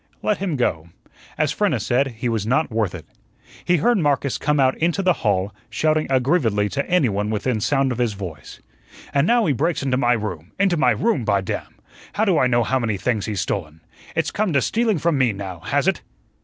Let him go. As Frenna said, he was not worth it. He heard Marcus come out into the hall, shouting aggrievedly to anyone within sound of his voice: "An' now he breaks into my room into my room, by damn! How do I know how many things he's stolen? It's come to stealing from me, now, has it?"